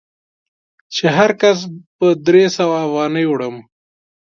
چې هر کس په درې سوه افغانۍ وړم.